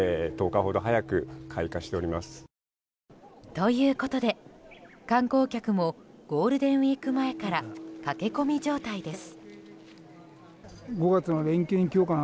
ということで、観光客もゴールデンウィーク前から駆け込み状態です。